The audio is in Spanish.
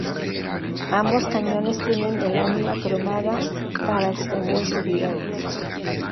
Ambos cañones tienen el ánima cromada para extender su vida útil.